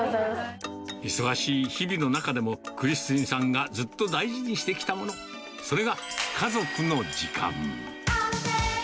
忙しい日々の中でも、クリスティさんがずっと大事にしてきたもの、それが家族の時間。